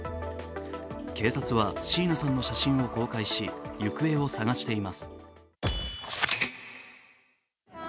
警察は椎名さんの写真を公開し行方を捜しています。